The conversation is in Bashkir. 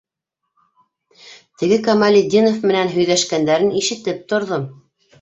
Теге Камалетдинов менән һөйҙәшкәндәрен ишетеп торҙом!